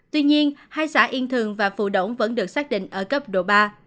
tuy nhiên hai xã yên thương và phù đống vẫn được xác định ở cấp độ ba